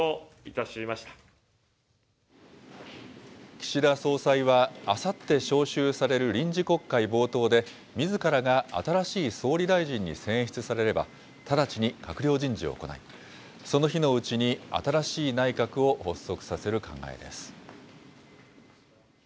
岸田総裁は、あさって召集される臨時国会冒頭で、みずからが新しい総理大臣に選出されれば、直ちに閣僚人事を行い、その日のうちに新しい内閣を発足させる考えです。